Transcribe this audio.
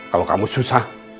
kalau kamu susah